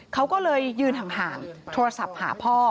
เขาก็เลยยืนห่างโทรศัพท์หาพ่อ